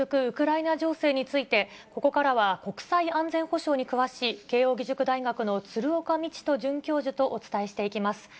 ウクライナ情勢について、ここからは国際安全保障に詳しい慶応義塾大学の鶴岡路人准教授とお伝えしていきます。